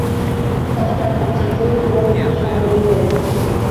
কথাটা বুঝিতে কুড়ানির একটু সময় গেল।